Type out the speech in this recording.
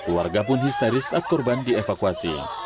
warga pun histeris saat korban dievakuasi